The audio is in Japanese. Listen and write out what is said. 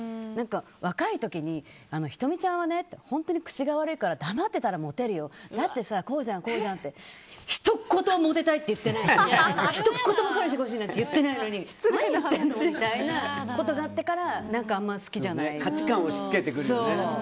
若い時に、仁美ちゃんは本当に口が悪いから黙ってたらモテるよだってさこうじゃん、こうじゃんって。ひと言もモテたいって言ってないしひと言も彼氏欲しいなんて言ってないのに何言ってるの？みたいなことがあってから価値観を押し付けてくるよね。